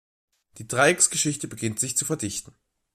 Die Dreiecksgeschichte beginnt sich zu verdichten.